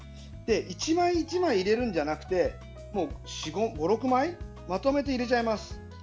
１枚１枚入れるんじゃなくて５６枚まとめて入れちゃいます。